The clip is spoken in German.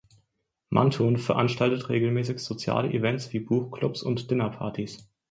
Manton veranstaltet regelmäßig soziale Events wie Buchclubs und Dinnerpartys.